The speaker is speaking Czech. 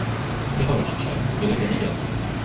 Jeho rodiče byli zemědělci.